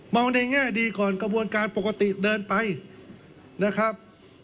ในแง่ดีก่อนกระบวนการปกติเดินไปนะครับ